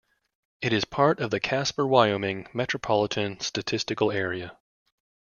It is part of the Casper, Wyoming Metropolitan Statistical Area.